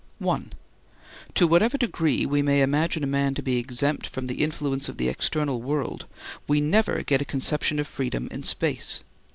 (1) To whatever degree we may imagine a man to be exempt from the influence of the external world, we never get a conception of freedom in space.